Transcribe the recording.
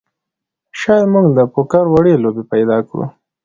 شاید موږ د پوکر وړې لوبې پیدا کړو